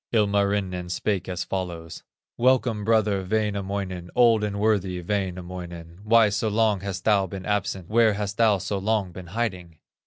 Ilmarinen spake as follows: "Welcome, brother Wainamoinen, Old and worthy Wainamoinen! Why so long hast thou been absent, Where hast thou so long been hiding?"